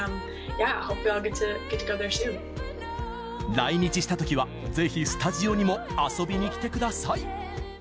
来日したときはぜひ、スタジオにも遊びに来てください！